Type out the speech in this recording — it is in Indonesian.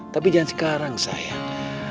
tapi jangan sekarang sayang